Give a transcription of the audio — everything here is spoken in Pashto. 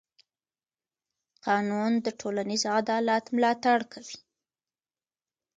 قانون د ټولنیز عدالت ملاتړ کوي.